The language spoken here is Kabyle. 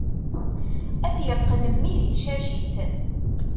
Ad t-yeqqen mmi di tcacit.